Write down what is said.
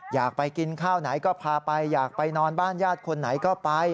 อยากไปกินข้าวไหนก็พาไปอยากไปนอนบ้านญาติคนไหนก็ไป